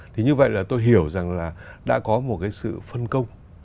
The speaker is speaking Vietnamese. thì như vậy là tôi hiểu rằng là đã có một cái sự phân công